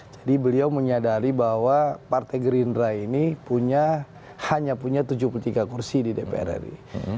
jadi beliau menyadari bahwa partai gerindra ini hanya punya tujuh puluh tiga kursi di dpr ri